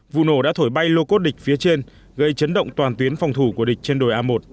vụ nổ đã thổi bay lô cốt địch phía trên gây chấn động toàn tuyến phòng thủ của địch trên đồi a một